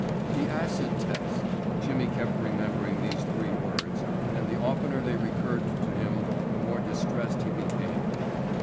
"The acid test"—Jimmy kept remembering these three words and the oftener they recurred to him the more distressed he became.